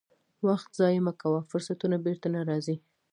وخت ضایع مه کوه، فرصتونه بیرته نه راځي.